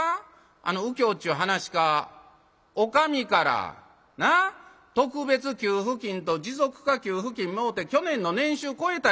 あの右喬ちゅう噺家お上から特別給付金と持続化給付金もろて去年の年収超えた